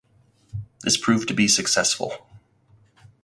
This proved to be successful.